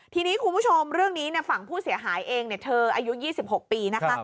ทีนี้คุณผู้ชมเรื่องนี้ฝั่งผู้เสียหายเองเธออายุ๒๖ปีนะคะ